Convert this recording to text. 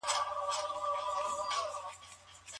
علم د جګړې پر ځای د سولې محصول دی.